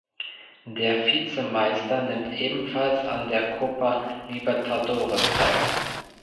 Der Vizemeister nimmt ebenfalls an der Copa Libertadores teil.